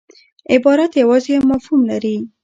عبارت یوازي یو مفهوم لري.